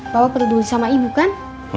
bapak perlu bersama ibu kan